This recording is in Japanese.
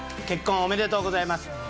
結婚おめでとうございます。